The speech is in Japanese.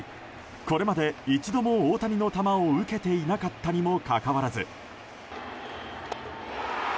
これまで一度も大谷の球を受けていなかったにもかかわらず。